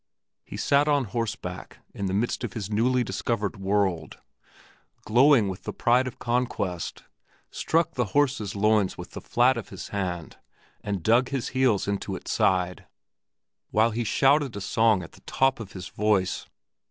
He sat on horseback in the midst of his newly discovered world, glowing with the pride of conquest, struck the horse's loins with the flat of his hand, and dug his heels into its sides, while he shouted a song at the top of his voice.